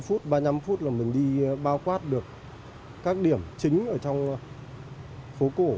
năm phút ba mươi năm phút là mình đi bao quát được các điểm chính ở trong phố cổ